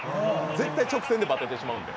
絶対、直線でバテてしまうので。